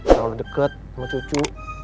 terlalu deket sama cucu